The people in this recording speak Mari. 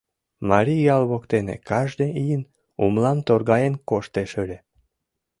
Марий ял воктене кажне ийын умлам торгаен коштеш ыле.